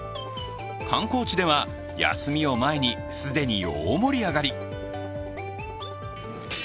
観光地では休みを前に、既に大盛り上がり。